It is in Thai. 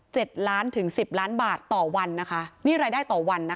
ล้านถึงสิบล้านบาทต่อวันนะคะนี่รายได้ต่อวันนะคะ